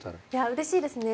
うれしいですね。